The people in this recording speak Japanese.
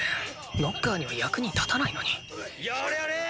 ノッカーには役に立たナイノニ・やれやれーっ！